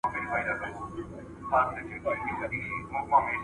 پوهه د انسانیت لپاره لویه پانګه ده.